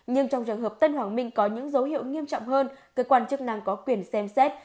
nhưng trong trường hợp tân hoàng minh có những dấu hiệu nghiêm trọng hơn cơ quan chức năng có quyền xem xét